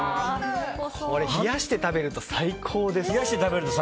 冷やして食べると最高です。